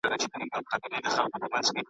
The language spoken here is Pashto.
چي مي خپل سي له شمشاده تر چتراله .